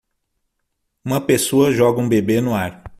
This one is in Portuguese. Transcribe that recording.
Uma pessoa joga um bebê no ar.